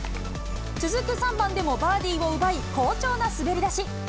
続く３番でもバーディーを奪い好調な滑り出し。